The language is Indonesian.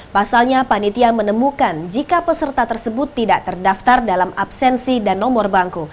pasalnya panitia menemukan jika peserta tersebut tidak terdaftar dalam absensi dan nomor bangku